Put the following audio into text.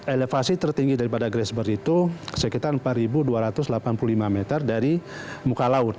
elevasi tertinggi daripada grassberg itu sekitar empat dua ratus delapan puluh lima meter dari muka laut